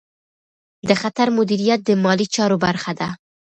د خطر مدیریت د مالي چارو برخه ده.